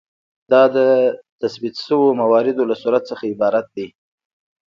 دا د تثبیت شویو مواردو له صورت څخه عبارت دی.